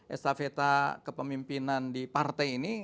estafeta kepemimpinan di partai ini